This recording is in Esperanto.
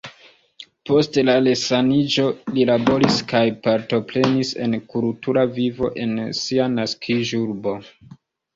Post la resaniĝo li laboris kaj partoprenis en kultura vivo en sia naskiĝurbo.